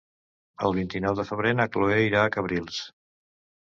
El vint-i-nou de febrer na Cloè irà a Cabrils.